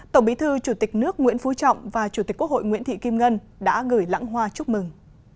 tổng bí thư chủ tịch nước nguyễn phú trọng và chủ tịch quốc hội nguyễn thị kim ngân đã gửi lãng hoa chúc mừng